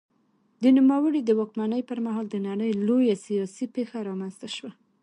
د نوموړي د واکمنۍ پر مهال د نړۍ لویه سیاسي پېښه رامنځته شوه.